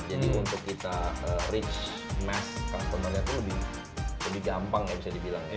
jadi untuk kita reach mass konsumernya itu lebih gampang ya bisa dibilang